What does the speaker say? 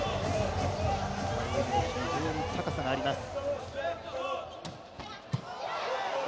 非常に高さがあります。